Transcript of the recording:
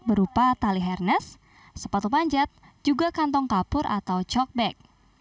berupa tali hernes sepatu panjat juga kantong kapur atau chalk bag